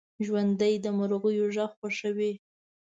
ژوندي د مرغیو غږ خوښوي